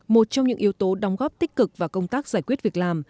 một trong những yếu tố đóng góp tích cực vào công tác giải quyết việc làm